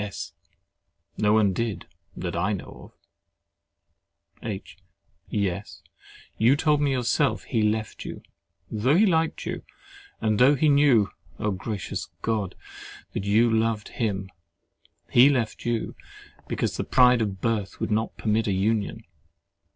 S. No one did, that I know of. H. Yes, you told me yourself he left you (though he liked you, and though he knew—Oh! gracious God! that you loved him) he left you because "the pride of birth would not permit a union."